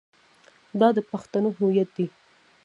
دا د پښتنو هویت دی.